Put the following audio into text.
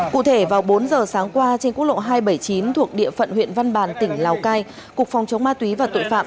cụ thể vào bốn giờ sáng qua trên quốc lộ hai trăm bảy mươi chín thuộc địa phận huyện văn bàn tỉnh lào cai cục phòng chống ma túy và tội phạm